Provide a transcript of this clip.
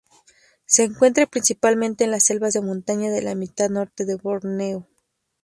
Se encuentra principalmente en las selvas de montaña de la mitad norte de Borneo.